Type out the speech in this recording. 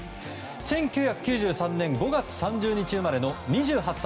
１９９３年５月３０日生まれの２８歳。